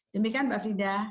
demikian mbak frida